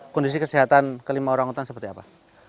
kondisi kesehatan kelima orangutan seperti apa